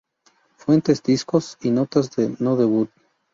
Fuentes: Discogs y notas de "No Doubt".